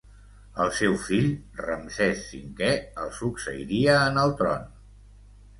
El seu fill, Ramsès V, el succeiria en el tron.